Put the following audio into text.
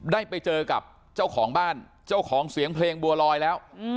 ได้ไปเจอกับเจ้าของบ้านเจ้าของเสียงเพลงบัวลอยแล้ว